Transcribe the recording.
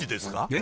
え？